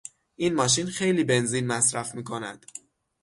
این ماشین خیلی بنزین مصرف میکند.